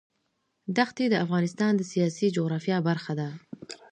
ښتې د افغانستان د سیاسي جغرافیه برخه ده.